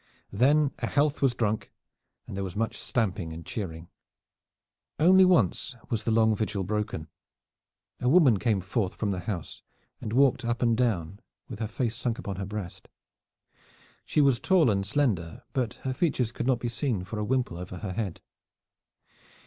Then a health was drunk and there was much stamping and cheering. Only once was the long vigil broken. A woman came forth from the house and walked up and down, with her face sunk upon her breast. She was tall and slender, but her features could not be seen for a wimple over her head.